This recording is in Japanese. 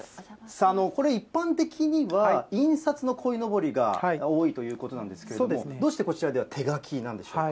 これ、一般的には印刷のこいのぼりが多いということなんですけれども、どうしてこちらでは手描きなんでしょうか。